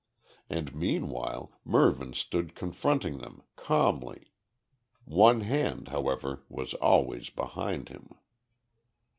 And meanwhile Mervyn stood confronting them, calmly; one hand, however, always behind him.